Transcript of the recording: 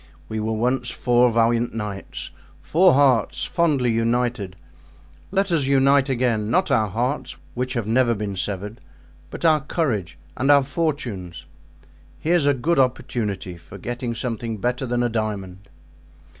We were once four valiant knights—four hearts fondly united; let us unite again, not our hearts, which have never been severed, but our courage and our fortunes. Here's a good opportunity for getting something better than a diamond."